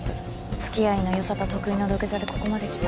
つきあいの良さと得意の土下座でここまで来た。